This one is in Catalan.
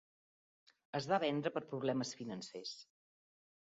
Es va vendre per problemes financers.